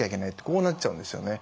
こうなっちゃうんですよね。